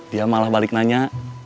dia malah balik nanya